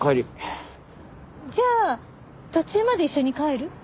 じゃあ途中まで一緒に帰る？